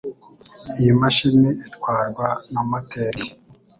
Iyi mashini itwarwa na moteri nto.